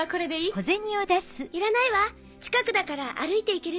いらないわ近くだから歩いて行けるし。